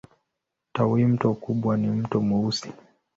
Tawimto kubwa ni Mto Mweusi.